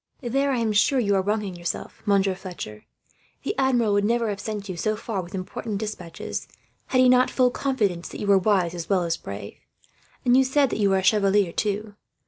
"There I am sure you are wronging yourself, Monsieur Fletcher. The Admiral would never have sent you so far, with important despatches, had he not full confidence that you were wise as well as brave. And you said you were a chevalier, too.